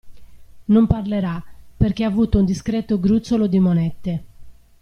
Non parlerà perché ha avuto un discreto gruzzolo di monete.